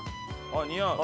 似合う。